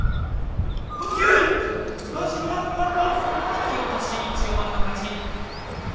引き落とし、千代丸の勝ち。